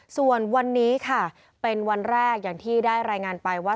ส่วนวันนี้ค่ะเป็นวันแรกอย่างที่ได้รายงานไปว่า